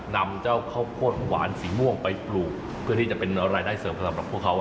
นำเจ้าข้าวโพดหวานสีม่วงไปปลูกเพื่อที่จะเป็นรายได้เสริมสำหรับพวกเขา